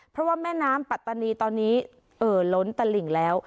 เพราะว่าแม่น้ำปัตตานีตอนนี้เอ่อล้นตลิ่งแล้ว